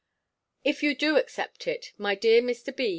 If you do accept it, my dear Mr. B.